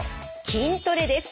筋トレです。